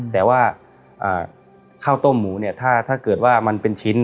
แต่ว่าข้าวต้มหมูเนี่ยถ้าเกิดว่ามันเป็นชิ้น